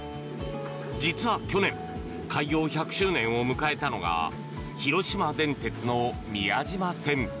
実は去年開業１００周年を迎えたのが広島電鉄の宮島線。